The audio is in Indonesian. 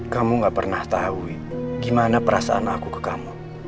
kamu gak pernah tahu gimana perasaan aku ke kamu